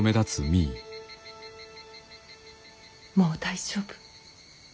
もう大丈夫。